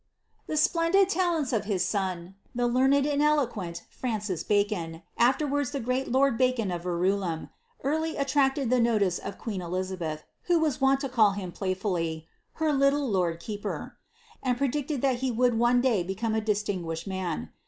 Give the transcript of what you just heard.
' The splendid talents of his son, the learned and eloquent Francis Ba eon, afterwards the great Lord Bacon of Verulam, early attracted the notice of Queen Elizabeth, who was wont to call him playfully, ^^ her little lord keeper," and predicted that he would one day become a dis tinguished man.